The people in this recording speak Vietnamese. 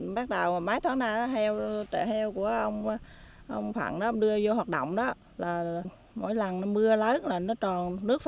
bắt đầu mấy tháng nào trẻ heo của ông phạm đưa vô hoạt động đó mỗi lần mưa lớn nó tròn nước phân